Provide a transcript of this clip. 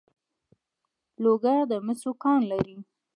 لوګر د مسو کان لري